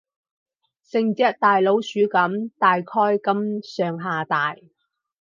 成隻大老鼠噉，大概噉上下大